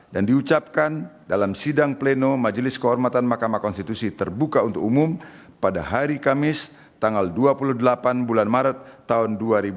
dan diucapkan dalam sidang pleno majelis kehormatan mahkamah konstitusi terbuka untuk umum pada hari kamis tanggal dua puluh delapan bulan maret tahun dua ribu dua puluh empat